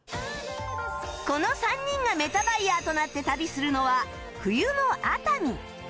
この３人がメタバイヤーとなって旅するのは冬の熱海